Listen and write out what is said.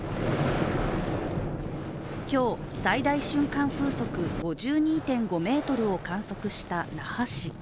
今日、最大瞬間風速５２．５メートルを観測した那覇市。